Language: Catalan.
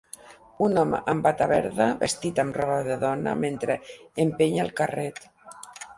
un home amb barba verda vestit amb roba de dona mentre empeny el carret